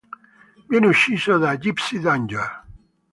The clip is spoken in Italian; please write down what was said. Viene ucciso da Gipsy Danger.